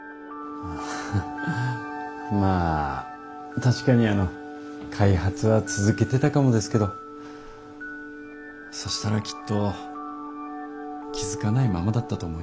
まあ確かにあの開発は続けてたかもですけどそしたらきっと気付かないままだったと思います。